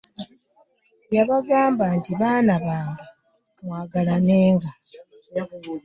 Yabagamba nti baana bange mwagalanenga.